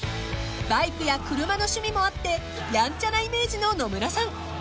［バイクや車の趣味もあってやんちゃなイメージの野村さん］